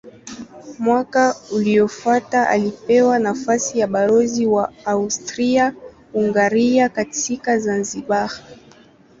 Mwaka uliofuata alipewa nafasi ya balozi wa Austria-Hungaria katika Zanzibar.